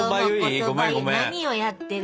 何をやってるんだ？